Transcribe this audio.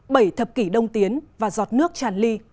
bảy thập kỷ đông tiến và giọt nước tràn ly